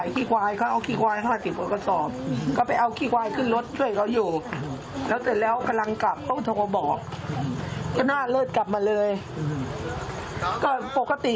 ทางด้านของเด็กชายอายุ๘ปี